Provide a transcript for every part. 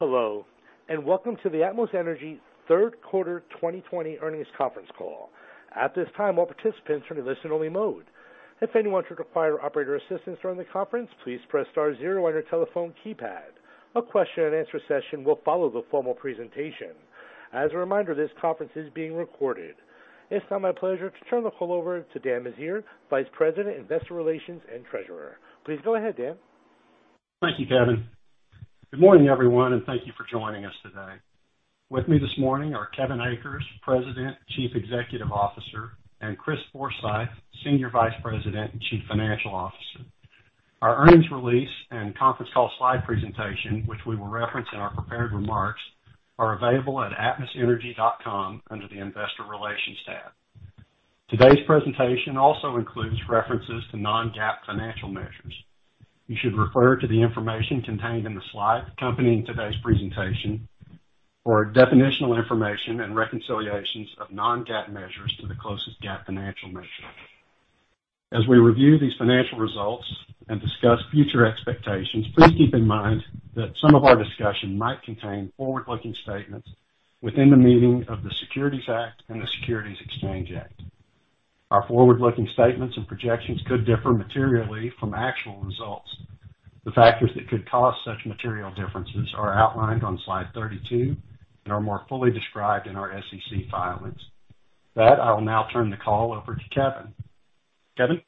Hello, and welcome to the Atmos Energy Q3 2020 earnings conference call. At this time, all participants are in listen-only mode. If anyone should require operator assistance during the conference, please press star zero on your telephone keypad. A question and answer session will follow the formal presentation. As a reminder, this conference is being recorded. It's now my pleasure to turn the call over to Dan Meziere, Vice President, Investor Relations, and Treasurer. Please go ahead, Dan. Thank you, Kevin. Good morning, everyone, and thank you for joining us today. With me this morning are Kevin Akers, President, Chief Executive Officer, and Chris Forsythe, Senior Vice President and Chief Financial Officer. Our earnings release and conference call slide presentation, which we will reference in our prepared remarks, are available at atmosenergy.com under the Investor Relations tab. Today's presentation also includes references to non-GAAP financial measures. You should refer to the information contained in the slides accompanying today's presentation for definitional information and reconciliations of non-GAAP measures to the closest GAAP financial measure. As we review these financial results and discuss future expectations, please keep in mind that some of our discussion might contain forward-looking statements within the meaning of the Securities Act and the Securities Exchange Act. Our forward-looking statements and projections could differ materially from actual results. The factors that could cause such material differences are outlined on slide 32 and are more fully described in our SEC filings. With that, I will now turn the call over to Kevin. Kevin?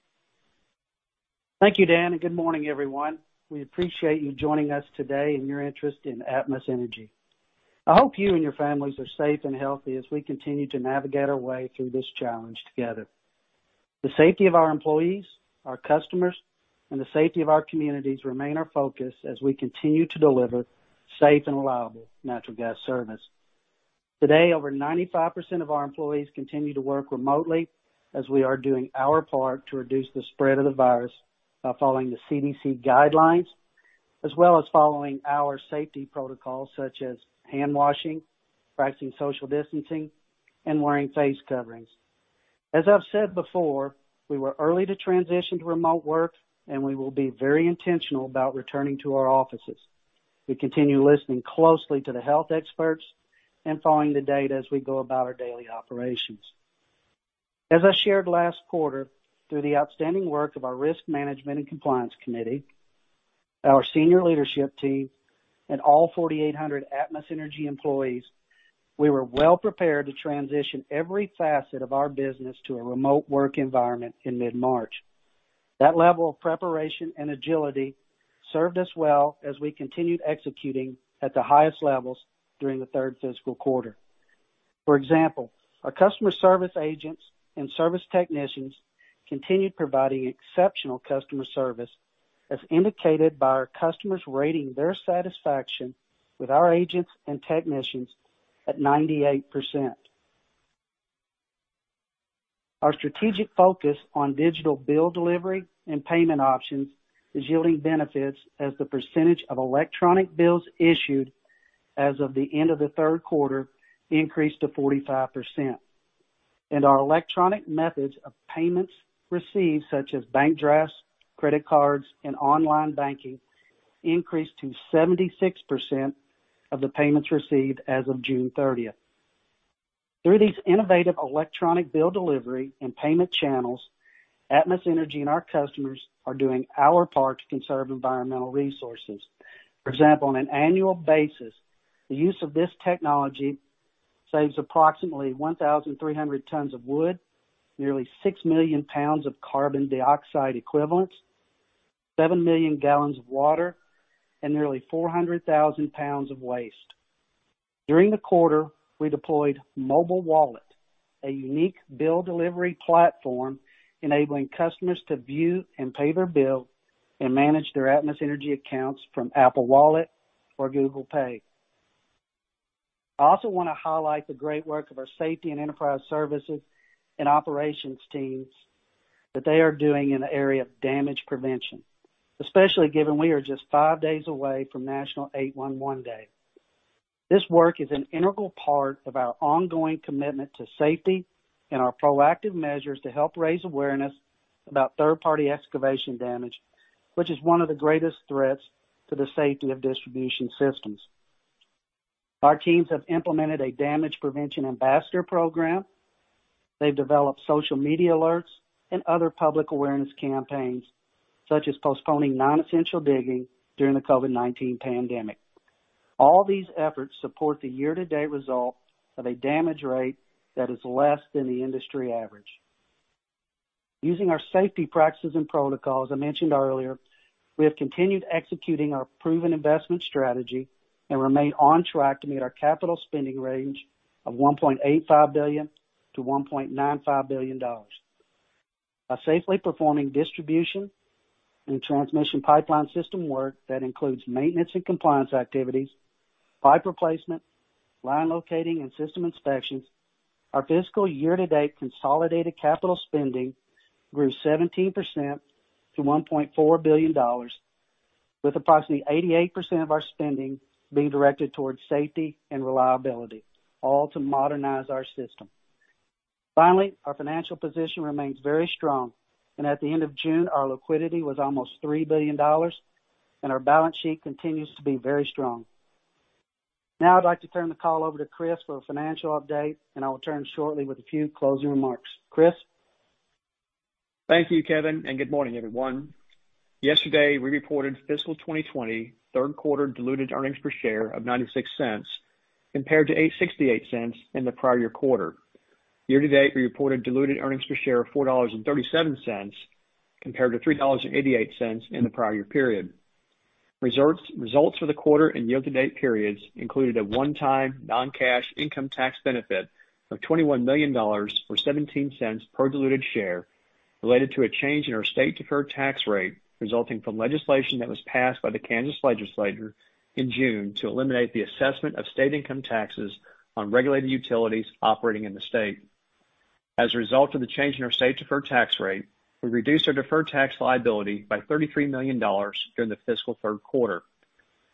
Thank you, Dan, and good morning, everyone. We appreciate you joining us today and your interest in Atmos Energy. I hope you and your families are safe and healthy as we continue to navigate our way through this challenge together. The safety of our employees, our customers, and the safety of our communities remain our focus as we continue to deliver safe and reliable natural gas service. Today, over 95% of our employees continue to work remotely as we are doing our part to reduce the spread of the virus by following the CDC guidelines, as well as following our safety protocols such as handwashing, practicing social distancing, and wearing face coverings. As I've said before, we were early to transition to remote work, and we will be very intentional about returning to our offices. We continue listening closely to the health experts and following the data as we go about our daily operations. As I shared last quarter, through the outstanding work of our risk management and compliance committee, our senior leadership team, and all 4,800 Atmos Energy employees, we were well prepared to transition every facet of our business to a remote work environment in mid-March. That level of preparation and agility served us well as we continued executing at the highest levels during the third fiscal quarter. For example, our customer service agents and service technicians continued providing exceptional customer service, as indicated by our customers rating their satisfaction with our agents and technicians at 98%. Our strategic focus on digital bill delivery and payment options is yielding benefits as the percentage of electronic bills issued as of the end of the Q3 increased to 45%. Our electronic methods of payments received, such as bank drafts, credit cards, and online banking, increased to 76% of the payments received as of June 30th. Through these innovative electronic bill delivery and payment channels, Atmos Energy and our customers are doing our part to conserve environmental resources. For example, on an annual basis, the use of this technology saves approximately 1,300 tons of wood, nearly six million pounds of carbon dioxide equivalents, seven million gallons of water, and nearly 400,000 pounds of waste. During the quarter, we deployed Mobile Wallet, a unique bill delivery platform enabling customers to view and pay their bill and manage their Atmos Energy accounts from Apple Wallet or Google Pay. I also want to highlight the great work of our safety and enterprise services and operations teams that they are doing in the area of damage prevention, especially given we are just five days away from National 811 Day. This work is an integral part of our ongoing commitment to safety and our proactive measures to help raise awareness about third-party excavation damage, which is one of the greatest threats to the safety of distribution systems. Our teams have implemented a Damage Prevention Ambassador Program. They've developed social media alerts and other public awareness campaigns, such as postponing non-essential digging during the COVID-19 pandemic. All these efforts support the year-to-date result of a damage rate that is less than the industry average. Using our safety practices and protocols I mentioned earlier, we have continued executing our proven investment strategy and remain on track to meet our capital spending range of $1.85 billion-$1.95 billion. By safely performing distribution and transmission pipeline system work that includes maintenance and compliance activities, pipe replacement, line locating, and system inspections, our fiscal year-to-date consolidated capital spending grew 17% to $1.4 billion, with approximately 88% of our spending being directed towards safety and reliability, all to modernize our system. Finally, our financial position remains very strong. At the end of June, our liquidity was almost $3 billion, and our balance sheet continues to be very strong. Now I'd like to turn the call over to Chris for a financial update, and I will return shortly with a few closing remarks. Chris? Thank you, Kevin, and good morning, everyone. Yesterday, we reported fiscal 2020 Q3 diluted earnings per share of $0.96 compared to $0.68 in the prior year quarter. Year to date, we reported diluted earnings per share of $4.37 compared to $3.88 in the prior year period. Results for the quarter and year to date periods included a one-time non-cash income tax benefit of $21 million or $0.17 per diluted share related to a change in our state deferred tax rate, resulting from legislation that was passed by the Kansas legislature in June to eliminate the assessment of state income taxes on regulated utilities operating in the state. As a result of the change in our state deferred tax rate, we reduced our deferred tax liability by $33 million during the fiscal Q3.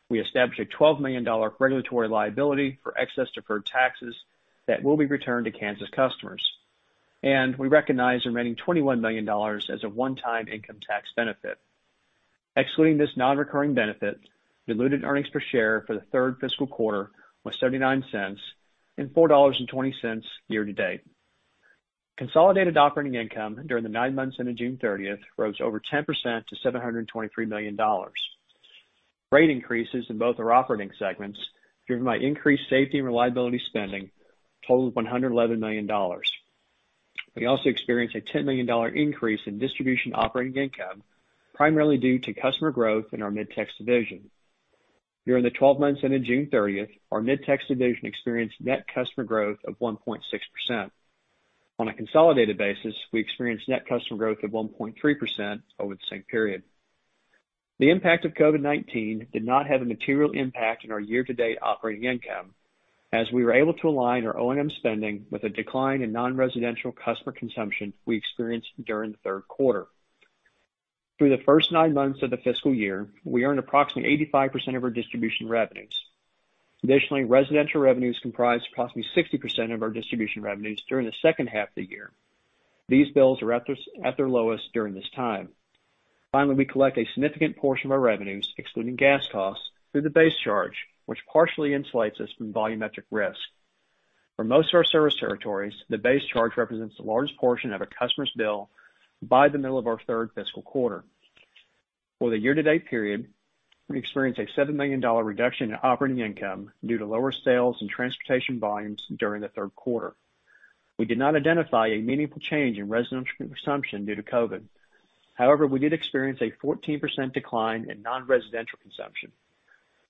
We established a $12 million regulatory liability for excess deferred taxes that will be returned to Kansas customers. We recognized the remaining $21 million as a one-time income tax benefit. Excluding this non-recurring benefit, diluted earnings per share for the third fiscal quarter was $0.79 and $4.20 year to date. Consolidated operating income during the nine months ending June 30th rose over 10% to $723 million. Rate increases in both our operating segments, driven by increased safety and reliability spending, totaled $111 million. We also experienced a $10 million increase in distribution operating income, primarily due to customer growth in our Mid-Tex Division. During the 12 months ending June 30th, our Mid-Tex Division experienced net customer growth of 1.6%. On a consolidated basis, we experienced net customer growth of 1.3% over the same period. The impact of COVID-19 did not have a material impact on our year-to-date operating income, as we were able to align our O&M spending with a decline in non-residential customer consumption we experienced during the Q3. Through the first nine months of the fiscal year, we earned approximately 85% of our distribution revenues. Residential revenues comprised approximately 60% of our distribution revenues during the H2 of the year. These bills are at their lowest during this time. We collect a significant portion of our revenues, excluding gas costs, through the base charge, which partially insulates us from volumetric risk. For most of our service territories, the base charge represents the largest portion of a customer's bill by the middle of our third fiscal quarter. For the year-to-date period, we experienced a $7 million reduction in operating income due to lower sales and transportation volumes during the Q3. We did not identify a meaningful change in residential consumption due to COVID. We did experience a 14% decline in non-residential consumption.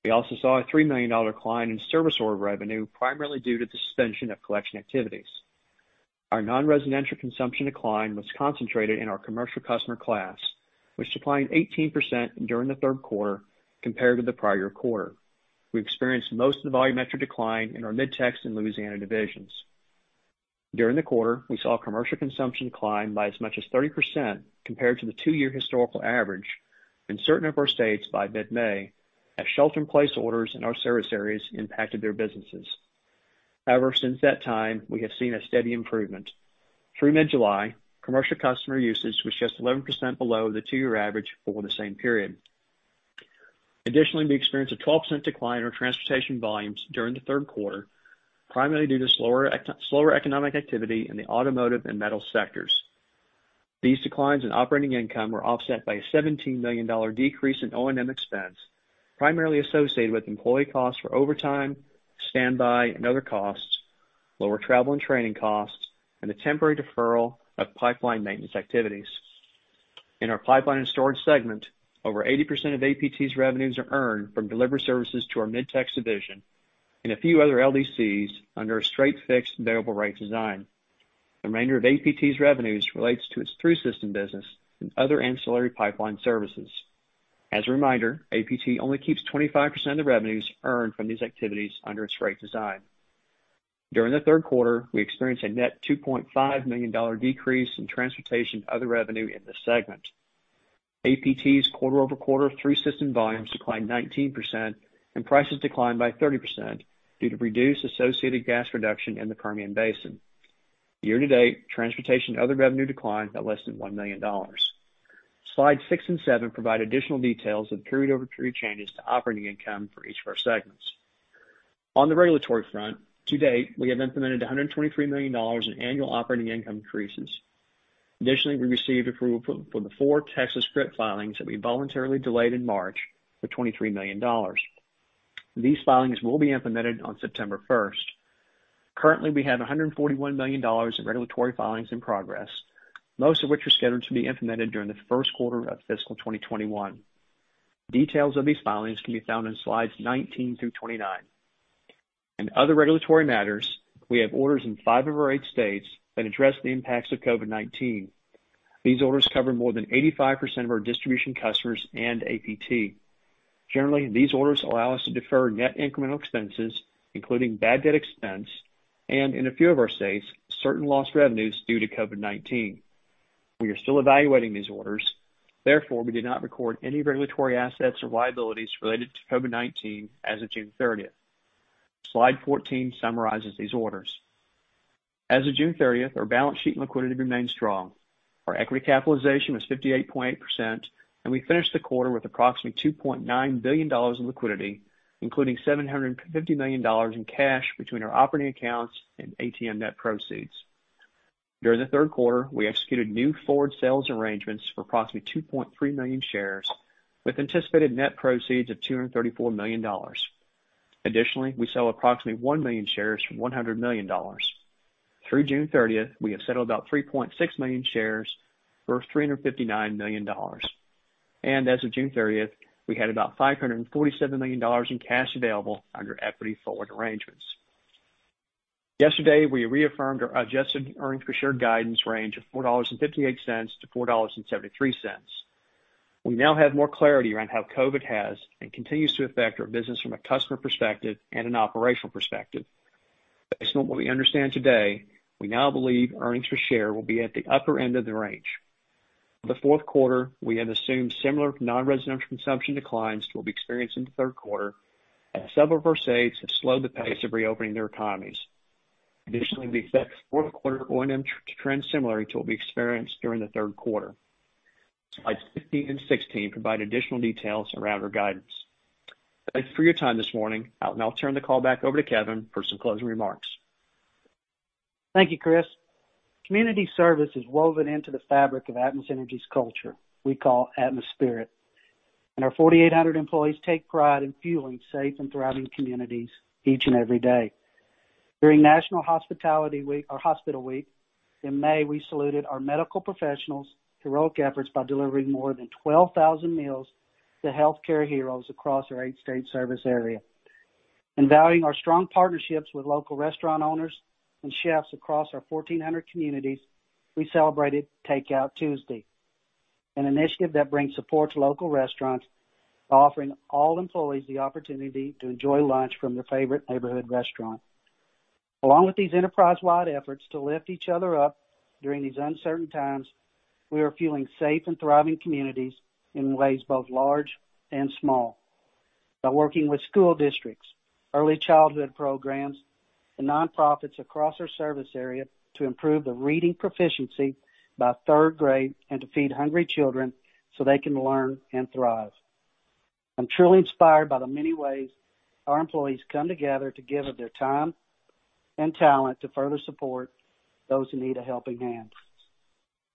We also saw a $3 million decline in service order revenue, primarily due to the suspension of collection activities. Our non-residential consumption decline was concentrated in our commercial customer class, which declined 18% during the Q3 compared to the prior quarter. We experienced most of the volumetric decline in our Mid-Tex and Louisiana divisions. During the quarter, we saw commercial consumption decline by as much as 30% compared to the two-year historical average in certain of our states by mid-May as shelter in place orders in our service areas impacted their businesses. However, since that time, we have seen a steady improvement. Through mid-July, commercial customer usage was just 11% below the two-year average over the same period. Additionally, we experienced a 12% decline in our transportation volumes during the Q3, primarily due to slower economic activity in the automotive and metal sectors. These declines in operating income were offset by a $17 million decrease in O&M expense, primarily associated with employee costs for overtime, standby, and other costs, lower travel and training costs, and the temporary deferral of pipeline maintenance activities. In our pipeline and storage segment, over 80% of APT's revenues are earned from delivery services to our Mid-Tex Division and a few other LDCs under a straight fixed variable rate design. The remainder of APT's revenues relates to its through-system business and other ancillary pipeline services. As a reminder, APT only keeps 25% of the revenues earned from these activities under its rate design. During the Q3, we experienced a net $2.5 million decrease in transportation other revenue in this segment. APT's quarter-over-quarter through system volumes declined 19% and prices declined by 30% due to reduced associated gas reduction in the Permian Basin. Year-to-date, transportation other revenue declined by less than $1 million. Slide six and seven provide additional details of period-over-period changes to operating income for each of our segments. On the regulatory front, to-date, we have implemented $123 million in annual operating income increases. Additionally, we received approval for the four Texas GRIP filings that we voluntarily delayed in March for $23 million. These filings will be implemented on September 1st. Currently, we have $141 million in regulatory filings in progress, most of which are scheduled to be implemented during the Q1 of fiscal 2021. Details of these filings can be found on slides 19 through 29. In other regulatory matters, we have orders in five of our eight states that address the impacts of COVID-19. These orders cover more than 85% of our distribution customers and APT. Generally, these orders allow us to defer net incremental expenses, including bad debt expense, and in a few of our states, certain lost revenues due to COVID-19. We are still evaluating these orders. Therefore, we did not record any regulatory assets or liabilities related to COVID-19 as of June 30th. Slide 14 summarizes these orders. As of June 30th, our balance sheet liquidity remains strong. Our equity capitalization was 58.8%, and we finished the quarter with approximately $2.9 billion in liquidity, including $750 million in cash between our operating accounts and ATM net proceeds. During the Q3, we executed new forward sales arrangements for approximately 2.3 million shares with anticipated net proceeds of $234 million. Additionally, we sell approximately one million shares for $100 million. Through June 30th, we have settled about 3.6 million shares for $359 million. As of June 30th, we had about $547 million in cash available under equity forward arrangements. Yesterday, we reaffirmed our adjusted earnings per share guidance range of $4.58-$4.73. We now have more clarity around how COVID has and continues to affect our business from a customer perspective and an operational perspective. Based on what we understand today, we now believe earnings per share will be at the upper end of the range. For the Q4, we have assumed similar non-residential consumption declines to what we experienced in the Q3, as several of our states have slowed the pace of reopening their economies. Additionally, we expect Q4 O&M to trend similarly to what we experienced during the Q3. Slides 15 and 16 provide additional details around our guidance. Thanks for your time this morning. I'll now turn the call back over to Kevin for some closing remarks. Thank you, Chris. Community service is woven into the fabric of Atmos Energy's culture we call Atmos Spirit, and our 4,800 employees take pride in fueling safe and thriving communities each and every day. During National Hospital Week or Hospital Week in May, we saluted our medical professionals' heroic efforts by delivering more than 12,000 meals to healthcare heroes across our eight-state service area. In valuing our strong partnerships with local restaurant owners and chefs across our 1,400 communities, we celebrated Takeout Tuesday, an initiative that brings support to local restaurants by offering all employees the opportunity to enjoy lunch from their favorite neighborhood restaurant. Along with these enterprise-wide efforts to lift each other up during these uncertain times, we are fueling safe and thriving communities in ways both large and small. By working with school districts, early childhood programs, and nonprofits across our service area to improve the reading proficiency by third grade and to feed hungry children so they can learn and thrive. I'm truly inspired by the many ways our employees come together to give of their time and talent to further support those who need a helping hand.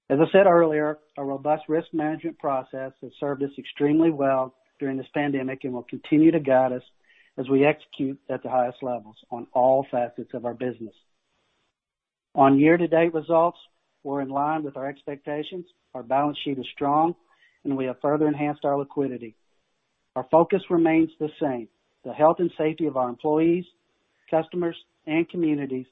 As I said earlier, our robust risk management process has served us extremely well during this pandemic and will continue to guide us as we execute at the highest levels on all facets of our business. On year-to-date results, we're in line with our expectations. Our balance sheet is strong, and we have further enhanced our liquidity. Our focus remains the same, the health and safety of our employees, customers, and communities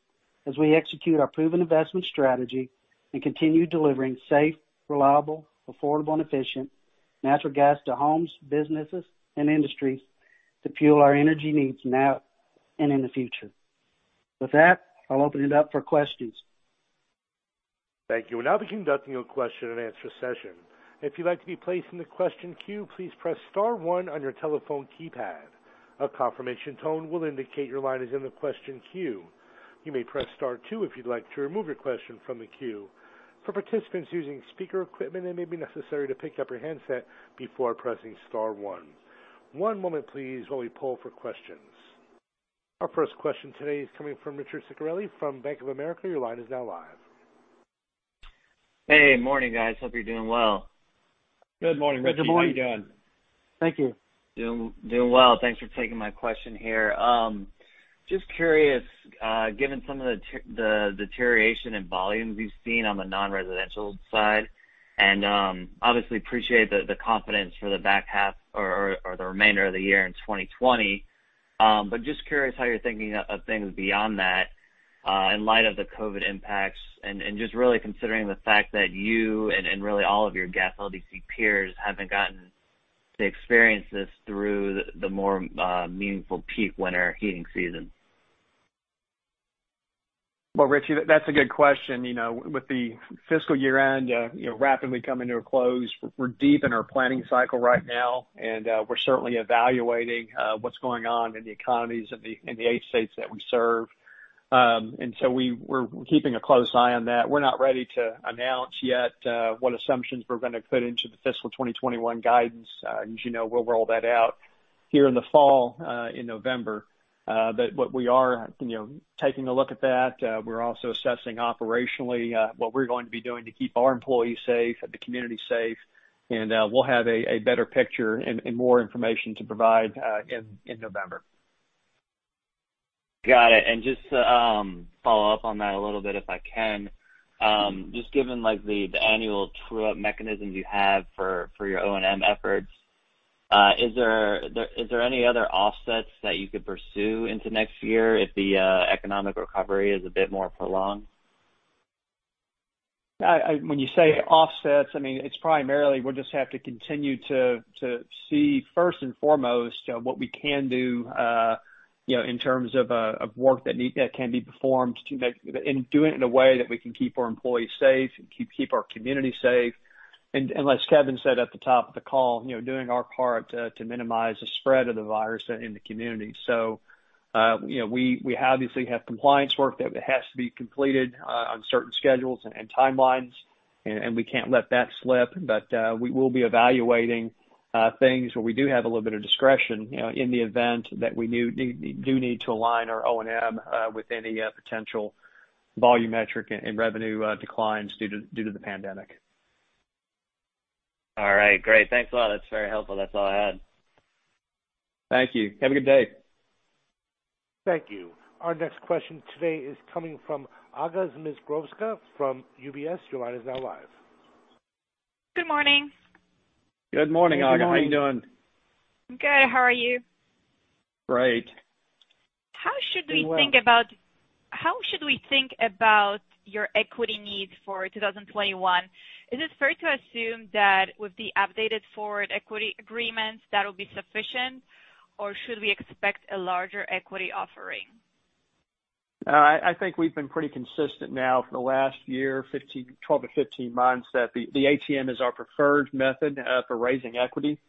as we execute our proven investment strategy and continue delivering safe, reliable, affordable, and efficient natural gas to homes, businesses, and industries to fuel our energy needs now and in the future. With that, I'll open it up for questions. Thank you. We'll now be conducting a question and answer session. If you'd like to be placed in the question queue, please press star one on your telephone keypad. A confirmation tone will indicate your line is in the question queue. You may press star two if you'd like to remove your question from the queue. For participants using speaker equipment, it may be necessary to pick up your handset before pressing star one. One moment please, while we poll for questions. Our first question today is coming from Richie Ciciarelli from Bank of America. Your line is now live. Hey, morning, guys. Hope you're doing well. Good morning, Richie. How are you doing? Good morning. Thank you. Doing well. Thanks for taking my question here. Just curious, given some of the deterioration in volumes you've seen on the non-residential side, obviously appreciate the confidence for the back half or the remainder of the year in 2020. Just curious how you're thinking of things beyond that, in light of the COVID impacts and just really considering the fact that you and really all of your gas LDC peers haven't gotten to experience this through the more meaningful peak winter heating season. Well, Richie, that's a good question. With the fiscal year-end rapidly coming to a close, we're deep in our planning cycle right now, and we're certainly evaluating what's going on in the economies in the eight states that we serve. We're keeping a close eye on that. We're not ready to announce yet what assumptions we're going to put into the fiscal 2021 guidance. As you know, we'll roll that out here in the fall, in November. We are taking a look at that. We're also assessing operationally what we're going to be doing to keep our employees safe, the community safe, and we'll have a better picture and more information to provide in November. Got it. Just to follow up on that a little, if I can. Just given, like, the annual true-up mechanisms you have for your O&M efforts, is there any other offsets that you could pursue into next year if the economic recovery is a bit more prolonged? When you say offsets, I mean, it's primarily we'll just have to continue to see first and foremost what we can do in terms of work that can be performed and do it in a way that we can keep our employees safe and keep our community safe. As Kevin said at the top of the call, doing our part to minimize the spread of the virus in the community. We obviously have compliance work that has to be completed on certain schedules and timelines, and we can't let that slip. We will be evaluating things where we do have a little bit of discretion, in the event that we do need to align our O&M with any potential volume metric and revenue declines due to the pandemic. All right, great. Thanks a lot. That's very helpful. That's all I had. Thank you. Have a good day. Thank you. Our next question today is coming from Aga Zmigrodzka from UBS. Your line is now live. Good morning. Good morning, Aga. How you doing? Good morning. Good. How are you? Great. How should we think about your equity needs for 2021? Is it fair to assume that with the updated forward equity agreements, that'll be sufficient? Or should we expect a larger equity offering? I think we've been pretty consistent now for the last year, 12-15 months, that the ATM is our preferred method for raising equity.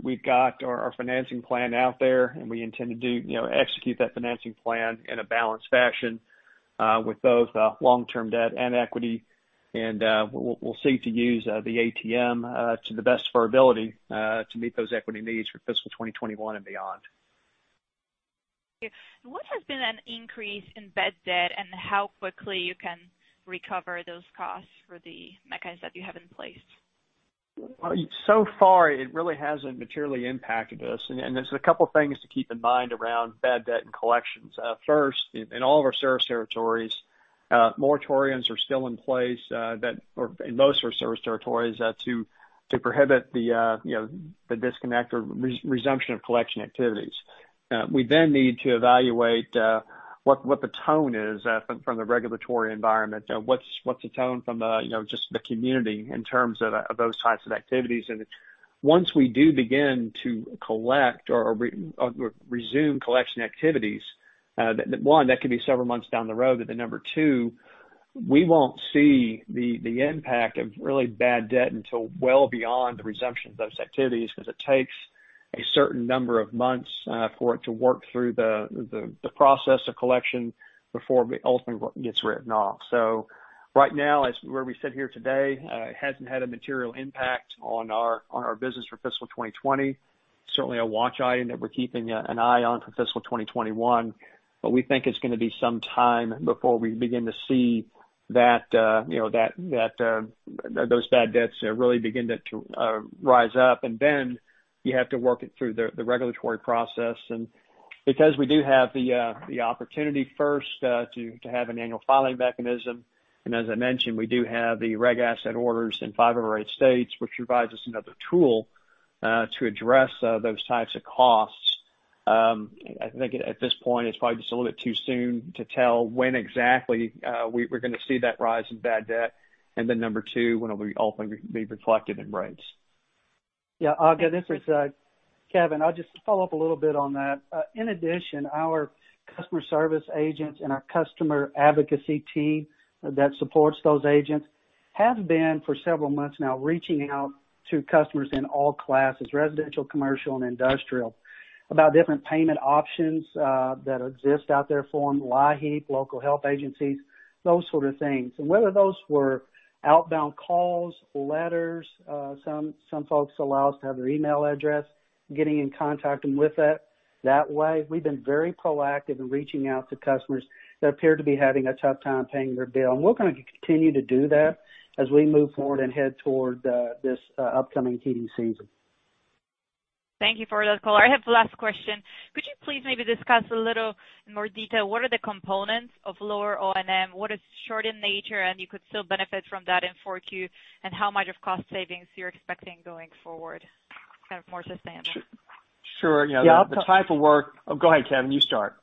We've got our financing plan out there, we intend to execute that financing plan in a balanced fashion with both long-term debt and equity. We'll seek to use the ATM to the best of our ability to meet those equity needs for fiscal 2021 and beyond. What has been an increase in bad debt and how quickly you can recover those costs for the mechanisms that you have in place? So far, it really hasn't materially impacted us. There's a couple things to keep in mind around bad debt and collections. First, in all of our service territories, moratoriums are still in place or in most of our service territories to prohibit the disconnect or resumption of collection activities. We then need to evaluate what the tone is from the regulatory environment. What's the tone from just the community in terms of those types of activities? Once we do begin to collect or resume collection activities, one, that could be several months down the road, but then number two, we won't see the impact of really bad debt until well beyond the resumption of those activities because it takes a certain number of months for it to work through the process of collection before it ultimately gets written off. Right now, as where we sit here today, it hasn't had a material impact on our business for fiscal 2020. Certainly a watch item that we're keeping an eye on for fiscal 2021. We think it's going to be some time before we begin to see those bad debts really begin to rise up, and then you have to work it through the regulatory process. Because we do have the opportunity first to have an annual filing mechanism, and as I mentioned, we do have the reg asset orders in five of our eight states, which provides us another tool to address those types of costs. I think at this point, it's probably just a little bit too soon to tell when exactly we're going to see that rise in bad debt, and then number two, when it will ultimately be reflected in rates. Yeah, Aga, this is Kevin. I'll just follow up a little bit on that. In addition, our customer service agents and our customer advocacy team that supports those agents have been, for several months now, reaching out to customers in all classes, residential, commercial, and industrial, about different payment options that exist out there for them, LIHEAP, local health agencies, those sort of things. Whether those were outbound calls, letters, some folks allow us to have their email address, getting in contact them with it that way. We've been very proactive in reaching out to customers that appear to be having a tough time paying their bill. We're going to continue to do that as we move forward and head toward this upcoming heating season. Thank you for that call. I have the last question. Could you please maybe discuss a little more detail what are the components of lower O&M? What is short in nature, and you could still benefit from that in 4Q, and how much of cost savings you're expecting going forward, kind of more sustainable? Sure. Yeah. Oh, go ahead, Kevin, you start.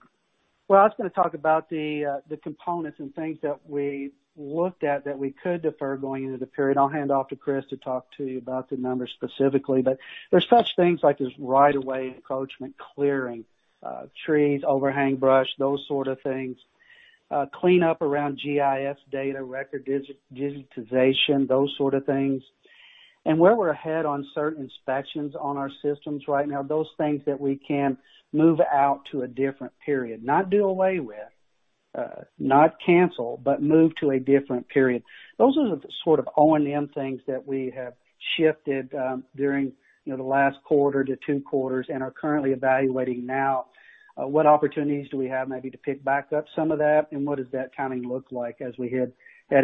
Well, I was going to talk about the components and things that we looked at that we could defer going into the period. I'll hand off to Chris to talk to you about the numbers specifically. There's such things like there's right of way encroachment clearing, trees, overhang brush, those sort of things. Cleanup around GIS data, record digitization, those sort of things. Where we're ahead on certain inspections on our systems right now, those things that we can move out to a different period, not do away with, not cancel, but move to a different period. Those are the sort of O&M things that we have shifted during the last quarter to two quarters and are currently evaluating now. What opportunities do we have maybe to pick back up some of that, and what does that timing look like as we head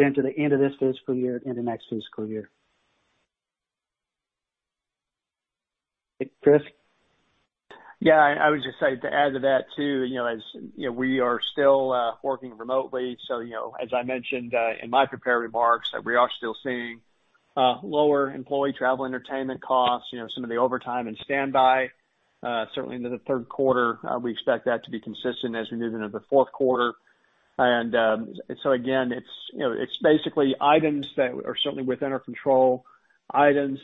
into the end of this fiscal year into next fiscal year? Chris? Yeah, I would just say to add to that, too, as you know, we are still working remotely. As I mentioned in my prepared remarks, we are still seeing lower employee travel entertainment costs, some of the overtime and standby. Certainly into the Q3, we expect that to be consistent as we move into the Q4. Again, it's basically items that are certainly within our control, items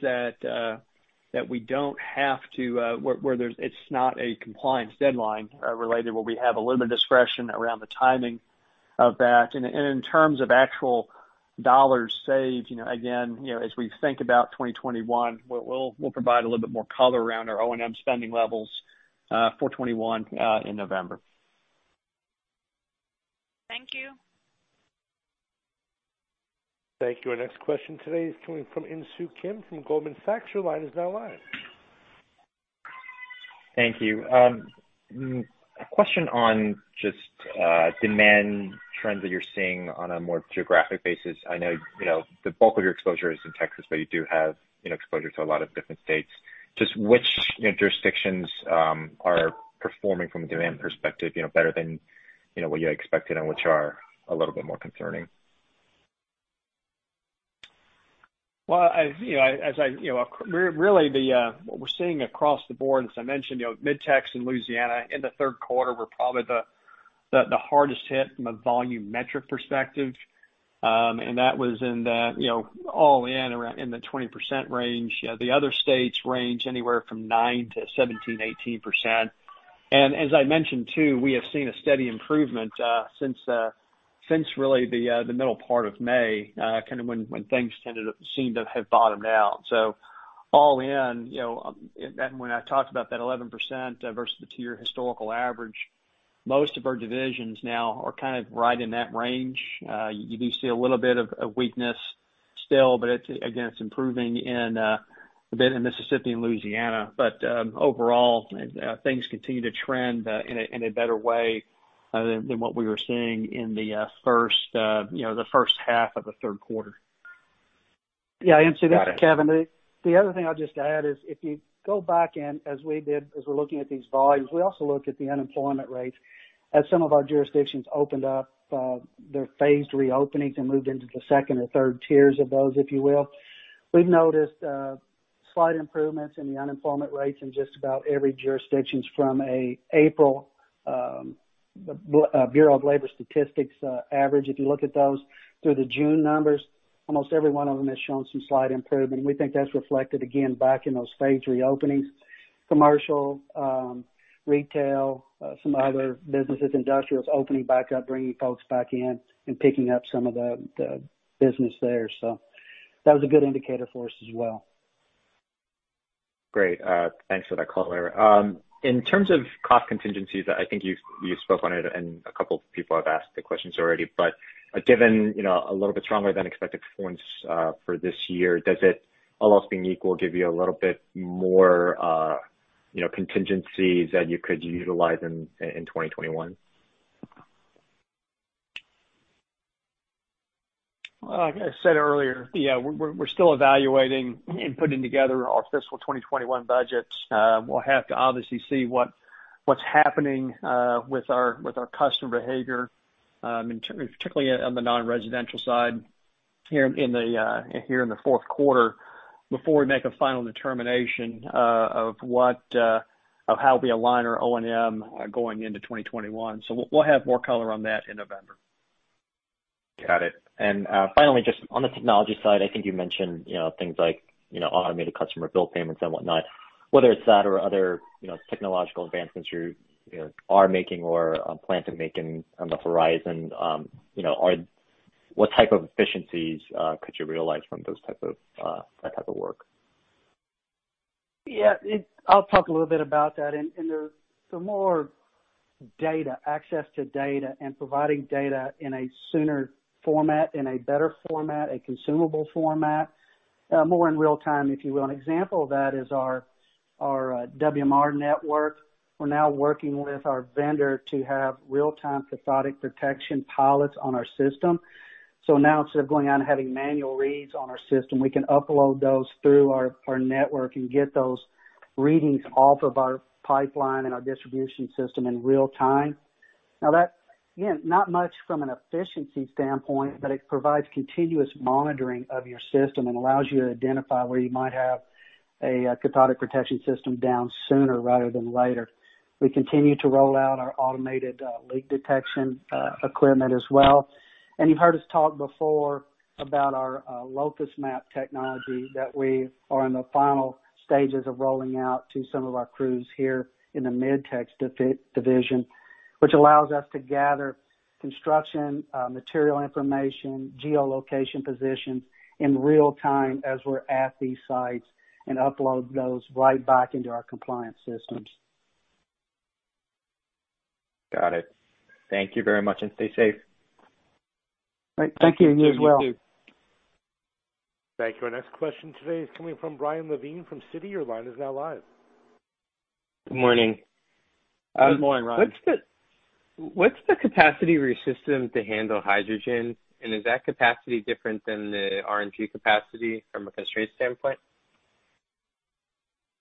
where it's not a compliance deadline related, where we have a little bit of discretion around the timing of that. In terms of actual dollars saved, again, as we think about 2021, we'll provide a little bit more color around our O&M spending levels for 2021 in November. Thank you. Thank you. Our next question today is coming from Insoo Kim from Goldman Sachs. Your line is now live. Thank you. A question on just demand trends that you're seeing on a more geographic basis. I know the bulk of your exposure is in Texas, but you do have exposure to a lot of different states. Just which jurisdictions are performing from a demand perspective better than what you had expected, and which are a little bit more concerning? Well, really what we're seeing across the board, as I mentioned, Mid-Tex and Louisiana in the Q3 were probably the hardest hit from a volume metric perspective. That was all in, around in the 20% range. The other states range anywhere from 9%-17%, 18%. As I mentioned too, we have seen a steady improvement since really the middle part of May, kind of when things seemed to have bottomed out. All in, when I talked about that 11% versus the two-year historical average, most of our divisions now are kind of right in that range. You do see a little bit of weakness still, but again, it's improving in Mississippi and Louisiana. Overall, things continue to trend in a better way than what we were seeing in the H1 of the Q3. Yeah. It's Kevin. The other thing I'll just add is if you go back in as we did, as we're looking at these volumes, we also looked at the unemployment rates as some of our jurisdictions opened up their phased reopenings and moved into the second or third tiers of those, if you will. We've noticed slight improvements in the unemployment rates in just about every jurisdictions from April Bureau of Labor Statistics average. If you look at those through the June numbers, almost every one of them has shown some slight improvement. We think that's reflected again back in those phased reopenings, commercial, retail, some other businesses, industrials opening back up, bringing folks back in and picking up some of the business there. That was a good indicator for us as well. Great. Thanks for that color. In terms of cost contingencies, I think you've spoke on it and a couple of people have asked the questions already, but given a little bit stronger than expected performance for this year, does it, all else being equal, give you a little bit more contingencies that you could utilize in 2021? Like I said earlier, yeah, we're still evaluating and putting together our fiscal 2021 budgets. We'll have to obviously see what's happening with our customer behavior, particularly on the non-residential side here in the Q4 before we make a final determination of how we align our O&M going into 2021. We'll have more color on that in November. Got it. Finally, just on the technology side, I think you mentioned things like automated customer bill payments and whatnot. Whether it's that or other technological advancements you are making or plan to make in on the horizon, what type of efficiencies could you realize from that type of work? Yeah. I'll talk a little bit about that. There's some more data, access to data and providing data in a sooner format, in a better format, a consumable format, more in real time, if you will. An example of that is our AMR network. We're now working with our vendor to have real-time cathodic protection pilots on our system. Now instead of going out and having manual reads on our system, we can upload those through our network and get those readings off of our pipeline and our distribution system in real time. Now that, again, not much from an efficiency standpoint, but it provides continuous monitoring of your system and allows you to identify where you might have a cathodic protection system down sooner rather than later. We continue to roll out our automated leak detection equipment as well. You've heard us talk before about our Locus Map technology that we are in the final stages of rolling out to some of our crews here in the Mid-Tex Division, which allows us to gather construction, material information, geolocation positions in real time as we're at these sites and upload those right back into our compliance systems. Got it. Thank you very much, and stay safe. Great. Thank you, and you as well. Thank you. You too. Thank you. Our next question today is coming from Ryan Levine from Citi. Your line is now live. Good morning. Good morning, Ryan. What's the capacity of your system to handle hydrogen, and is that capacity different than the RNG capacity from a constraint standpoint?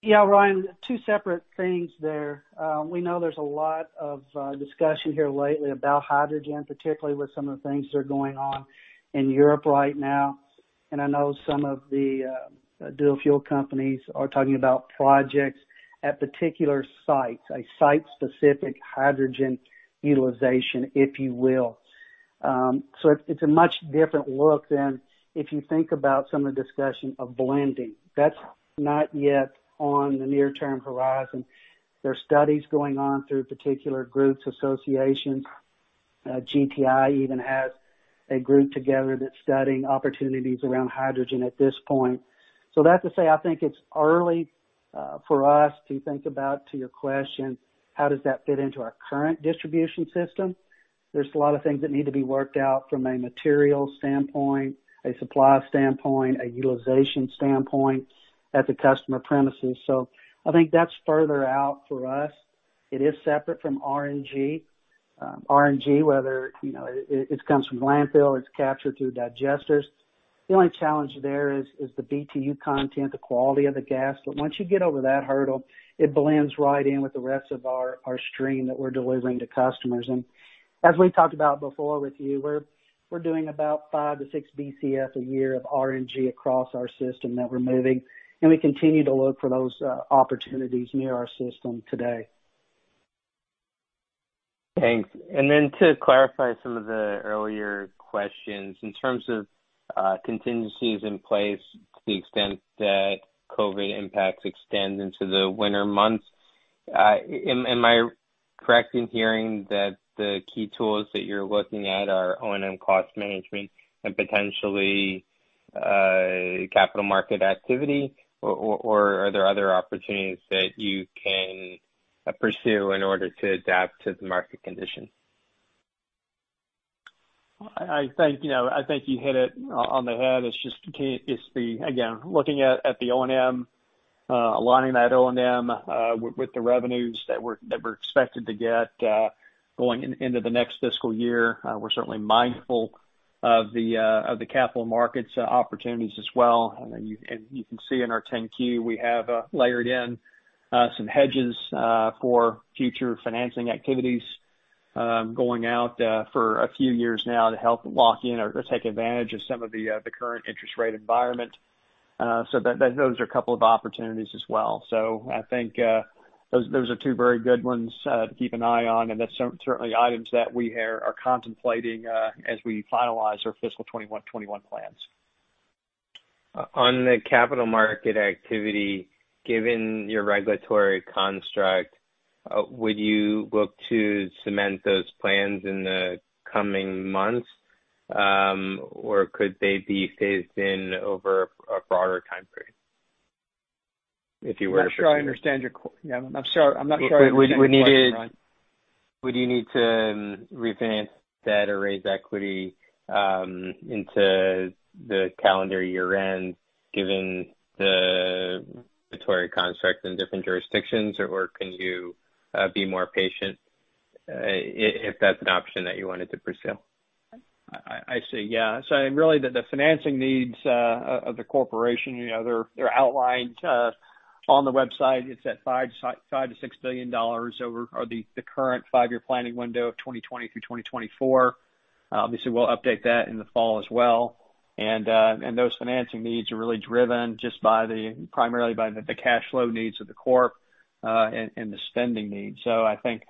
Yeah, Ryan, two separate things there. We know there's a lot of discussion here lately about hydrogen, particularly with some of the things that are going on in Europe right now. I know some of the dual fuel companies are talking about projects at particular sites, a site-specific hydrogen utilization, if you will. It's a much different look than if you think about some of the discussion of blending. That's not yet on the near-term horizon. There are studies going on through particular groups, associations, GTI even has a group together that's studying opportunities around hydrogen at this point. That to say, I think it's early for us to think about, to your question, how does that fit into our current distribution system? There's a lot of things that need to be worked out from a material standpoint, a supply standpoint, a utilization standpoint at the customer premises. I think that's further out for us. It is separate from RNG. RNG, whether it comes from landfill, it's captured through digesters. The only challenge there is the BTU content, the quality of the gas. Once you get over that hurdle, it blends right in with the rest of our stream that we're delivering to customers. As we talked about before with you, we're doing about five to six BCF a year of RNG across our system that we're moving, and we continue to look for those opportunities near our system today. Thanks. To clarify some of the earlier questions, in terms of contingencies in place to the extent that COVID impacts extend into the winter months, am I correct in hearing that the key tools that you're looking at are O&M cost management and potentially capital market activity? Are there other opportunities that you can pursue in order to adapt to the market condition? I think you hit it on the head. It's just, again, looking at the O&M, aligning that O&M with the revenues that we're expected to get going into the next fiscal year. We're certainly mindful of the capital markets opportunities as well. You can see in our 10-Q, we have layered in some hedges for future financing activities going out for a few years now to help lock in or take advantage of some of the current interest rate environment. Those are a couple of opportunities as well. I think those are two very good ones to keep an eye on, and that's certainly items that we are contemplating as we finalize our fiscal 2021 plans. On the capital market activity, given your regulatory construct, would you look to cement those plans in the coming months? Could they be phased in over a broader time frame? I'm not sure I understand your question. Would you need to refinance debt or raise equity into the calendar year-end given the regulatory construct in different jurisdictions? Can you be more patient if that's an option that you wanted to pursue? I see. Yeah. Really, the financing needs of the corporation, they're outlined on the website. It's at $5 billion-$6 billion over the current five-year planning window of 2020 through 2024. Obviously, we'll update that in the fall as well. Those financing needs are really driven just primarily by the cash flow needs of the corp and the spending needs. I think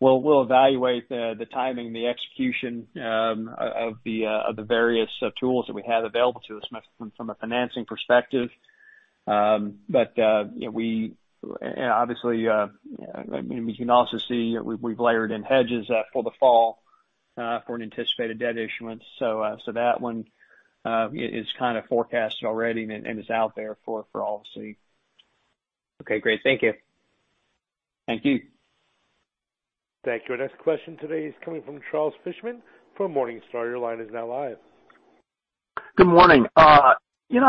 we'll evaluate the timing, the execution of the various tools that we have available to us from a financing perspective. Obviously, you can also see we've layered in hedges for the fall for an anticipated debt issuance. That one is kind of forecasted already and is out there for all to see. Okay, great. Thank you. Thank you. Thank you. Our next question today is coming from Charles Fishman from Morningstar. Your line is now live. Good morning. I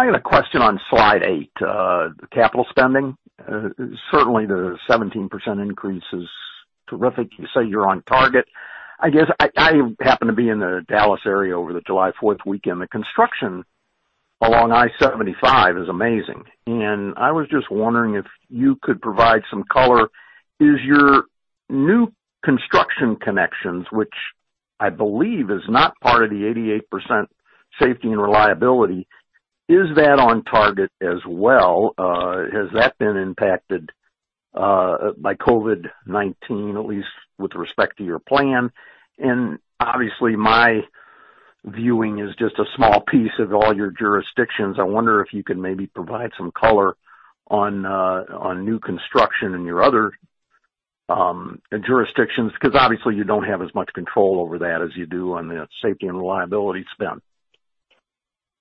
got a question on slide eight, the capital spending. Certainly, the 17% increase is terrific. You say you're on target. I guess I happen to be in the Dallas area over the July 4th weekend. The construction along I-75 is amazing. I was just wondering if you could provide some color. Is your new construction connections, which I believe is not part of the 88% safety and reliability, is that on target as well? Has that been impacted by COVID-19, at least with respect to your plan? Obviously, my viewing is just a small piece of all your jurisdictions. I wonder if you could maybe provide some color on new construction in your other jurisdictions, because obviously you don't have as much control over that as you do on the safety and reliability spend.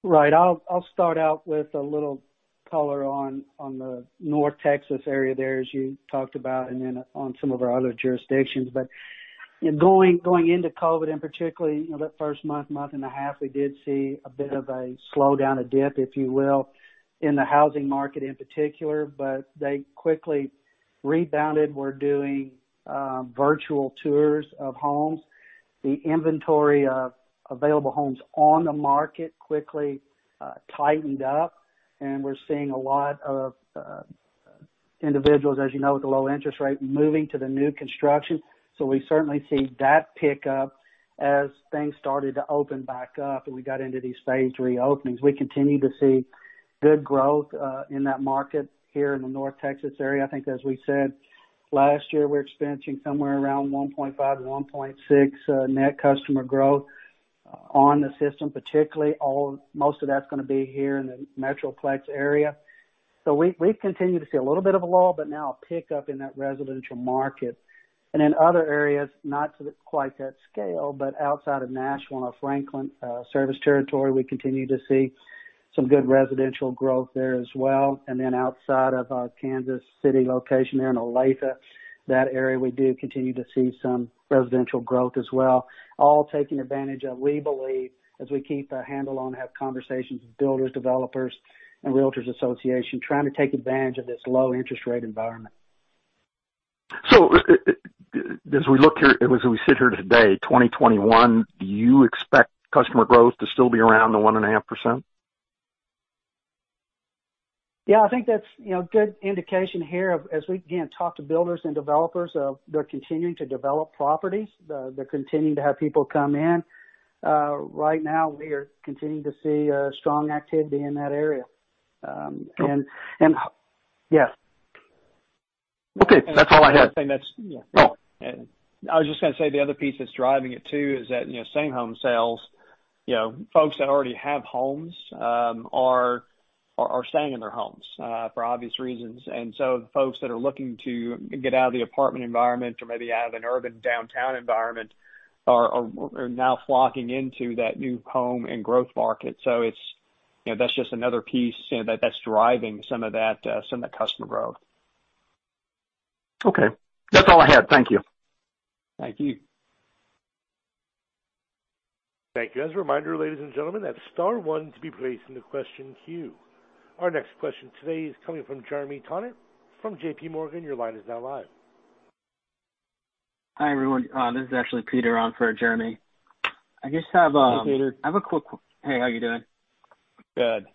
Right. I'll start out with a little color on the North Texas area there, as you talked about, and then on some of our other jurisdictions. Going into COVID, and particularly that first month and a half, we did see a bit of a slowdown, a dip, if you will, in the housing market in particular, but they quickly rebounded. We're doing virtual tours of homes. The inventory of available homes on the market quickly tightened up, and we're seeing a lot of individuals, as you know, with the low interest rate, moving to the new construction. We certainly see that pick up as things started to open back up and we got into these phased reopenings. We continue to see good growth in that market here in the North Texas area. I think as we said last year, we're experiencing somewhere around 1.5%-1.6% net customer growth. On the system particularly, most of that's going to be here in the Metroplex area. We've continued to see a little bit of a lull, but now a pickup in that residential market. In other areas, not to quite that scale, but outside of Nashville and Franklin service territory, we continue to see some good residential growth there as well. Outside of our Kansas City location there in Olathe, that area, we do continue to see some residential growth as well. All taking advantage of, we believe, as we keep a handle on, have conversations with builders, developers, and realtors association, trying to take advantage of this low interest rate environment. As we sit here today, 2021, do you expect customer growth to still be around the 1.5%? I think that's a good indication here of, as we, again, talk to builders and developers, they're continuing to develop properties. They're continuing to have people come in. Right now, we are continuing to see strong activity in that area. Yes. Okay. That's all I had. I was just going to say, the other piece that's driving it too is that same home sales. Folks that already have homes are staying in their homes for obvious reasons. Folks that are looking to get out of the apartment environment or maybe out of an urban downtown environment are now flocking into that new home and growth market. That's just another piece that's driving some of that customer growth. Okay. That's all I had. Thank you. Thank you. Thank you. As a reminder, ladies and gentlemen, that's star one to be placed in the question queue. Our next question today is coming from Jeremy Tonet from JPMorgan. Your line is now live. Hi, everyone. This is actually Peter on for Jeremy. Hey, Peter. Hey, how you doing? Good.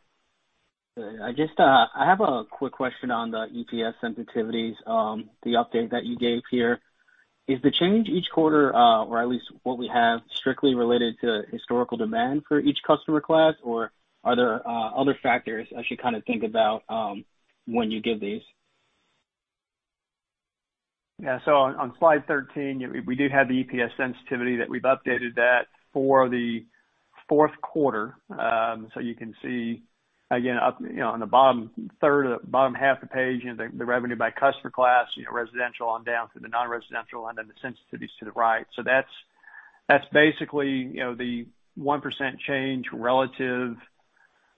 Good. I have a quick question on the EPS sensitivities, the update that you gave here. Is the change each quarter, or at least what we have, strictly related to historical demand for each customer class, or are there other factors I should think about when you give these? Yeah. On slide 13, we do have the EPS sensitivity that we've updated that for the Q4. You can see again, on the bottom half of the page, the revenue by customer class, residential on down through the non-residential, and then the sensitivities to the right.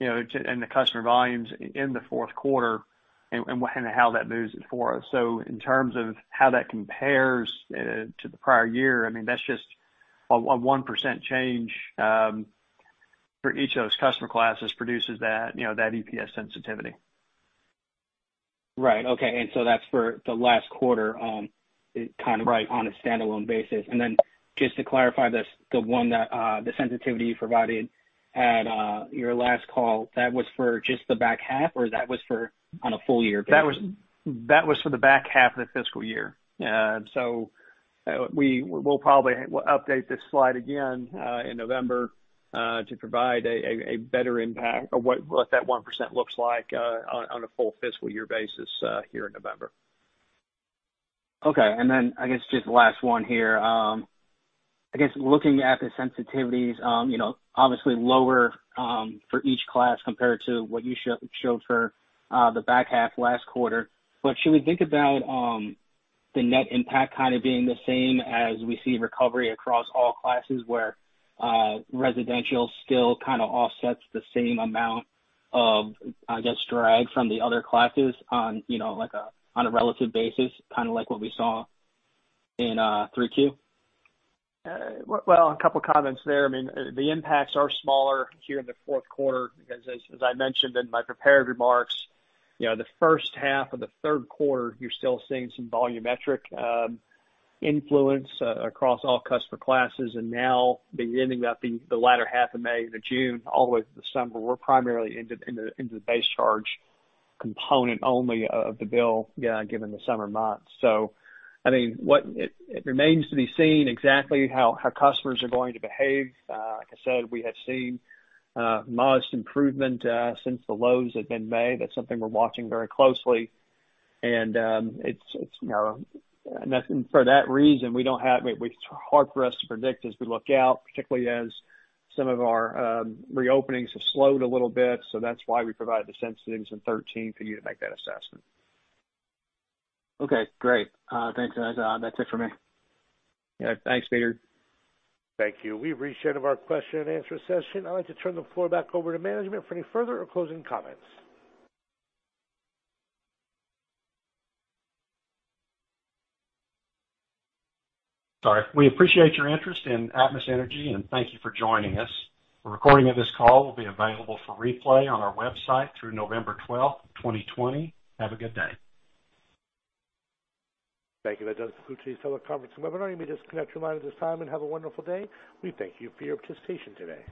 That's basically the 1% change relative in the customer volumes in the Q4 and how that moves it for us. In terms of how that compares to the prior year, that's just a 1% change for each of those customer classes produces that EPS sensitivity. Right. Okay. That's for the last quarter. Right. On a standalone basis. Just to clarify, the sensitivity you provided at your last call, that was for just the back half, or that was on a full year basis? That was for the back half of the fiscal year. We'll probably update this slide again in November to provide a better impact of what that 1% looks like on a full fiscal year basis here in November. Okay. I guess just last one here. I guess looking at the sensitivities, obviously lower for each class compared to what you showed for the back half last quarter. Should we think about the net impact being the same as we see recovery across all classes where residential still offsets the same amount of, I guess, drag from the other classes on a relative basis? Kind of like what we saw in Q3? Well, a couple of comments there. The impacts are smaller here in the Q4 because as I mentioned in my prepared remarks, the H1 of the Q3, you're still seeing some volumetric influence across all customer classes. Now beginning about the latter half of May to June, all the way through December, we're primarily into the base charge component only of the bill given the summer months. It remains to be seen exactly how customers are going to behave. Like I said, we have seen the most improvement since the lows have been made. That's something we're watching very closely. For that reason, it's hard for us to predict as we look out, particularly as some of our reopenings have slowed a little bit. That's why we provided the sensitivities in 13 for you to make that assessment. Okay, great. Thanks, guys. That's it for me. Yeah. Thanks, Peter. Thank you. We've reached the end of our question and answer session. I'd like to turn the floor back over to management for any further or closing comments. Sorry. We appreciate your interest in Atmos Energy, and thank you for joining us. A recording of this call will be available for replay on our website through November 12th, 2020. Have a good day. Thank you. That does conclude today's teleconference and webinar. You may disconnect your lines at this time, and have a wonderful day. We thank you for your participation today.